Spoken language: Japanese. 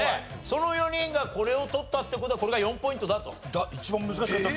その４人がこれを取ったって事はこれが４ポイントだと？